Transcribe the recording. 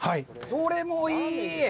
どれもいい！